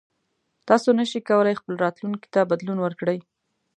تاسو نشئ کولی خپل راتلونکي ته بدلون ورکړئ.